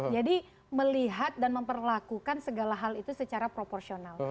jadi melihat dan memperlakukan segala hal itu secara proporsional